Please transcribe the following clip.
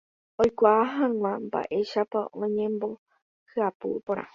oikuaa hag̃ua mba'éichapa oñembohyapu porã.